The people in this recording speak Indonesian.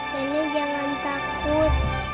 nenek jangan takut